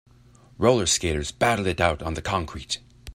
RollerSkaters battle it out on the concrete.